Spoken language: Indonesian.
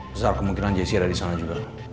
besar kemungkinan jesse ada disana juga